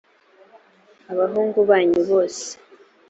abahungu banyu bose